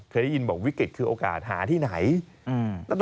เคยได้ยินบอกวิกฤตคือโอกาสหาที่ไหน